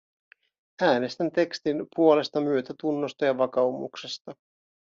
Äänestän tekstin puolesta myötätunnosta ja vakaumuksesta.